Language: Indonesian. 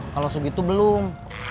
kalau segitu belum